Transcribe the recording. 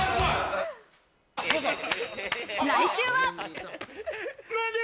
来週は。